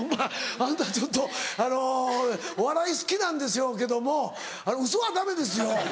あなたちょっとお笑い好きなんでしょうけどもウソはダメですよ。